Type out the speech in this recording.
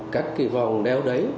các cái vòng đeo đấy